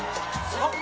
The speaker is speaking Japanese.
あっ！